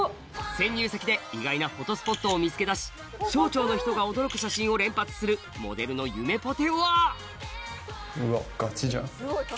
潜入先で意外なフォトスポットを見つけ出し省庁の人が驚く写真を連発するモデルのゆめぽてはうわっガチじゃん。